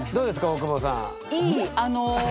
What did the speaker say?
大久保さん。